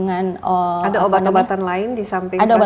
ada obat obatan lain di samping transfusi apa